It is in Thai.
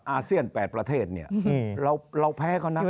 อาเซียน๘ประเทศเนี่ยเราแพ้เขานะ